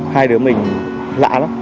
hai đứa mình lạ lắm